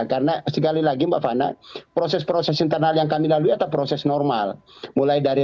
karena sekali lagi mbak fana proses proses internal yang kami lalui atau proses normal mulai dari